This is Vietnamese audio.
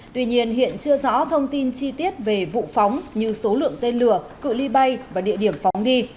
tuy nhiên hiện chưa rõ thông tin chi tiết về vụ phóng như số lượng tên lửa cự li bay và địa điểm phóng đi